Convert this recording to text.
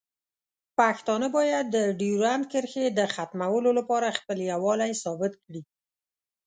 پښتانه باید د ډیورنډ کرښې د ختمولو لپاره خپل یووالی ثابت کړي.